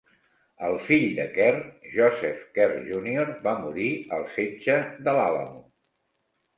El fill de Kerr, Joseph Kerr Junior, va morir al setge d'El Alamo.